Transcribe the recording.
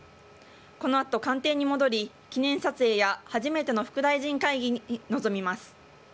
このあと官邸に戻り記念撮影や初めての副大臣会合に臨みます。